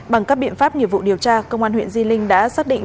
bằng các biện pháp nghiệp vụ điều tra công an huyện di linh đã xác định